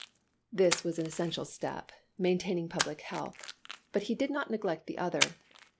This was one essential step, maintaining public health ; but he did not neglect the other.